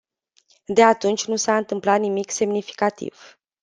De atunci nu s-a întâmplat nimic semnificativ.